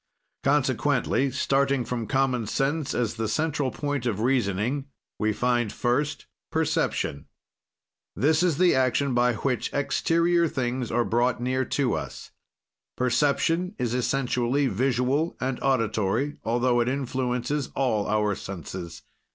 "Consequently, starting from common sense as the central point of reasoning, we find, first, perception. "This is the action by which exterior things are brought near to us. "Perception is essentially visual and auditory, altho it influences all our senses.